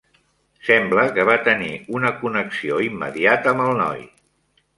Sembla que va tenir una connexió immediata amb el noi.